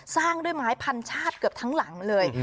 สร้างด้วยไม้พันชาติเกือบทั้งหลังเลย